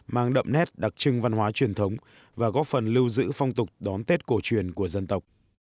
mang đậm nét đặc trưng văn hóa truyền thống và góp phần lưu giữ phong tục đón tết cổ truyền của dân tộc